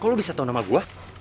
kok lu bisa tau nama gua